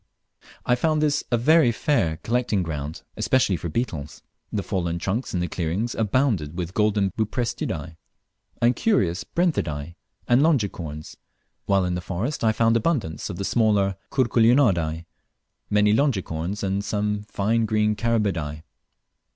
I found this a very fair collecting ground, especially for beetles. The fallen trunks in the clearings abounded with golden Buprestidae and curious Brenthidae, and longicorns, while in the forest I found abundance of the smaller Curculionidae, many longicorns, and some fine green Carabidae.